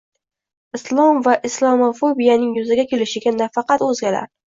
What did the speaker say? Islom va islomofobiyaning yuzaga kelishiga nafaqat o‘zgalar